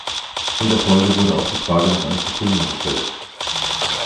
In der Folge wurde auch die Frage nach einer Verfilmung gestellt.